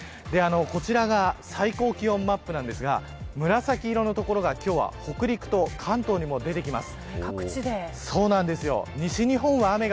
こちらが最高気温マップですが紫色の所が今日は北陸と関東にも出てきます。